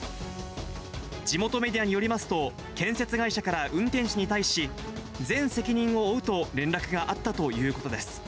地元メディアによりますと、建設会社から運転手に対し、全責任を負うと連絡があったということです。